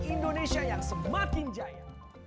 indonesia yang semakin jaya